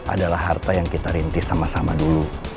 adalah harta yang kita rintis sama sama dulu